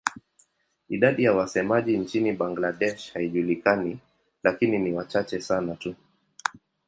Idadi ya wasemaji nchini Bangladesh haijulikani lakini ni wachache sana tu.